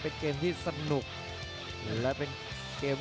หัวจิตหัวใจแก่เกินร้อยครับ